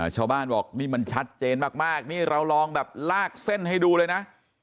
ชาวบ้านบอกนี่มันชัดเจนมากนี่เราลองแบบลากเส้นให้ดูเลยนะ